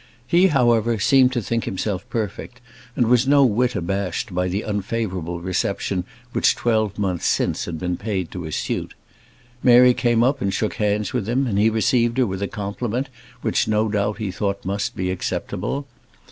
He, however, seemed to think himself perfect, and was no whit abashed by the unfavourable reception which twelve months since had been paid to his suit. Mary came up and shook hands with him, and he received her with a compliment which no doubt he thought must be acceptable.